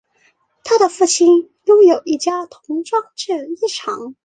他的父亲拥有一家童装制衣厂。